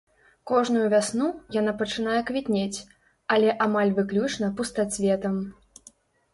Кожную вясну яна пачынае квітнець, але амаль выключна пустацветам.